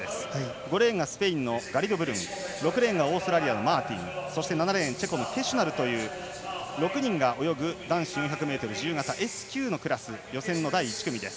５レーン、スペインのガリドブルン６レーン、マーティン７レーン、チェコのケシュナルという６人が泳ぐ男子自由形４００ｍＳ９のクラス予選の第１組です。